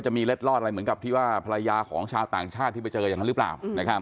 มีเล็ดลอดอะไรเหมือนกับที่ว่าภรรยาของชาวต่างชาติที่ไปเจออย่างนั้นหรือเปล่า